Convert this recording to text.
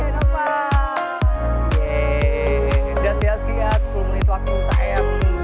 sudah sia sia sepuluh menit waktu saya